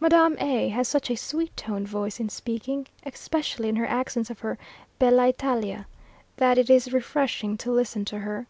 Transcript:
Madame A has such a sweet toned voice in speaking, especially in her accents of her bella Italia, that it is refreshing to listen to her.